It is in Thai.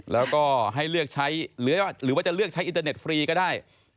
แล้วก็ให้เลือกใช้หรือว่าจะเลือกใช้อินเตอร์เน็ตฟรีก็ได้